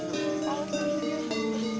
jangan lupa joko tingkir